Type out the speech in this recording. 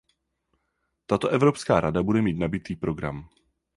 Tato Evropská rada bude mít nabitý program.